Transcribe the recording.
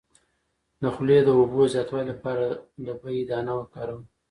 د خولې د اوبو د زیاتوالي لپاره د بهي دانه وکاروئ